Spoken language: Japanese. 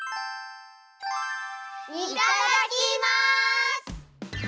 いただきます！